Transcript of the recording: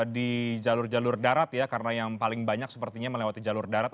di jalur jalur darat ya karena yang paling banyak sepertinya melewati jalur darat